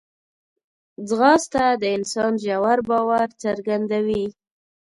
ځغاسته د انسان ژور باور څرګندوي